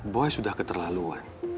boy sudah keterlaluan